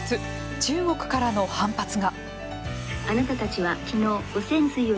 中国からの反発が。